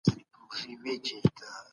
هغه څه چي لیکل سوي دي ټول رښتیا نه دي.